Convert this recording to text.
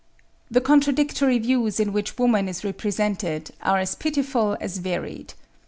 "The contradictory views in which woman is represented are as pitiful as varied.